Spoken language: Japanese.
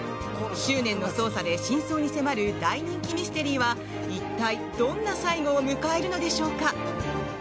執念の捜査で真相に迫る大人気ミステリーは一体、どんな最後を迎えるのでしょうか。